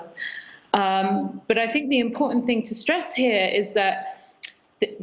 tetapi saya pikir hal penting yang harus saya sasarkan di sini adalah